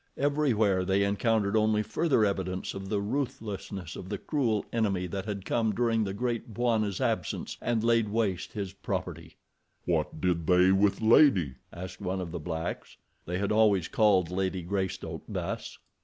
Everywhere they encountered only further evidence of the ruthlessness of the cruel enemy that had come during the Great Bwana's absence and laid waste his property. "What did they with 'Lady'?" asked one of the blacks. They had always called Lady Greystoke thus.